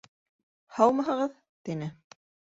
— Һаумыһығыҙ! — тине.